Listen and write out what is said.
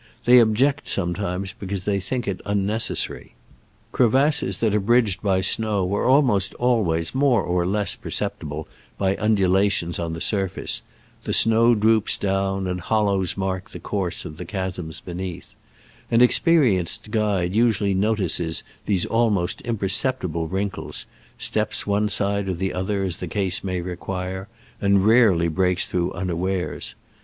They object sometimes because they think it is unnecessary. Crevasses that are bridged by snow are almost al ways more or less perceptible by undu lations on the surface : the snow droops Digitized by Google SCRAMBLES AMONGST THE ALPS IN i86o '69 145 down, and hollows mark the course of the chasms beneath. An experienced guide usually notices these almost impercep tible wrinkles, steps one side or the other, as the case may require, and rarely breaks through unawares.